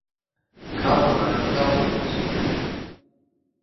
Kā norādīt avotu?